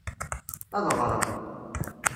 Ad ɣreɣ.